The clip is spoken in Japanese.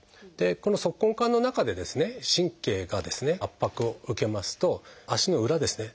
この足根管の中で神経がですね圧迫を受けますと足の裏ですね